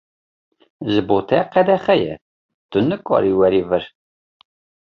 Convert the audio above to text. Ji bo te qedexe ye, tu nikarî werî vir.